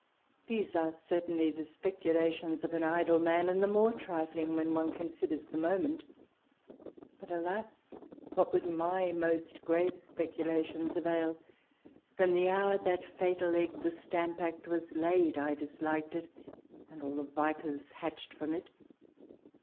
These are certainly the speculations of an idle man, and the more trifling when one considers the moment. But alas! what would my most grave speculations avail ? From the hour that fatal egg, the Stamp Act, was laid, I disliked it and all the vipers hatched from it.